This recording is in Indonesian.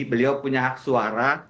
beliau punya hak suara